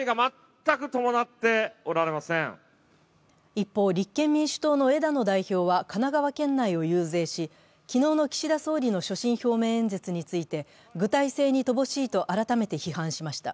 一方、立憲民主党の枝野代表は神奈川県内を遊説し、昨日の岸田総理の所信表明演説について、具体性に乏しいと改めて批判しました。